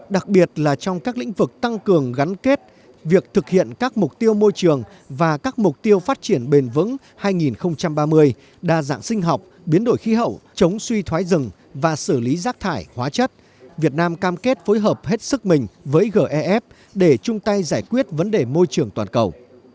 đặc biệt là trong các lĩnh vực tăng cường gắn kết việc thực hiện các mục tiêu môi trường và các mục tiêu phát triển bền vững hai nghìn ba mươi đa dạng sinh học biến đổi khí hậu chống suy thoái rừng và xử lý rác thải hóa chất việt nam cam kết phối hợp hết sức mình với gef để chung tay giải quyết vấn đề môi trường toàn cầu